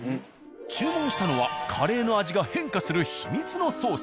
注文したのはカレ―の味が変化する秘密のソース。